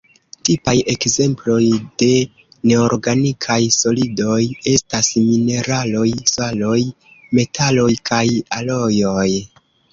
Tipaj ekzemploj de neorganikaj solidoj estas mineraloj, saloj, metaloj kaj alojoj.